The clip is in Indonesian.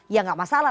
ya gak masalah